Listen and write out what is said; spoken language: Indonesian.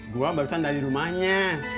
gue barusan dari rumahnya